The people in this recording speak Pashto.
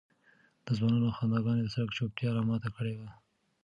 د ځوانانو خنداګانو د سړک چوپتیا را ماته کړې وه.